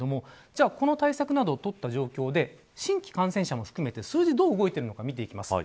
この対策を取った状況で新規感染者も含めて数字はどう動いているのか見ていきます。